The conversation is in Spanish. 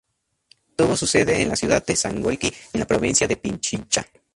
Tuvo su sede en la ciudad de Sangolquí, en la provincia de Pichincha.